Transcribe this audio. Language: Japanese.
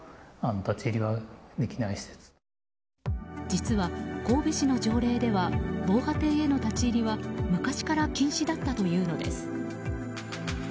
実は、神戸市の条例では防波堤への立ち入りは昔から禁止だったというのです。